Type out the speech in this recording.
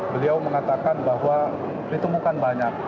beliau mengatakan bahwa ditemukan banyak